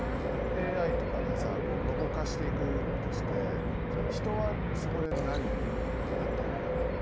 ＡＩとかでさロボ化していくとして人はそこで何をやった方がいいの？